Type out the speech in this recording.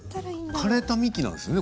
枯れた幹なんですね